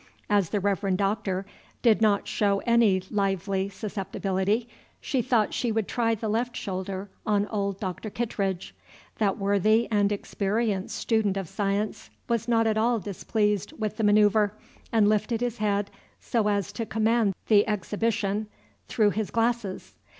As the Reverend Doctor did not show any lively susceptibility, she thought she would try the left shoulder on old Dr. Kittredge. That worthy and experienced student of science was not at all displeased with the manoeuvre, and lifted his head so as to command the exhibition through his glasses.